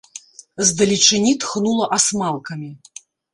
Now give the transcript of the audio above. З далечыні тхнула асмалкамі.